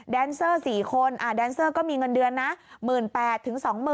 แดนเซอร์๔คนแดนเซอร์ก็มีเงินเดือนนะ๑๘๐๐๐๒๐๐๐๐บาท